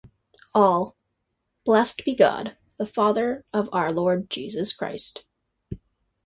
All: Blessed be God, the Father of our Lord Jesus Christ.